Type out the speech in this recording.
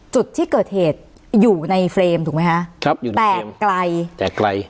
จุดที่เกิดเหตุอยู่ในเฟรมถูกไหมคะครับอยู่ไหนแต่ไกลแต่ไกล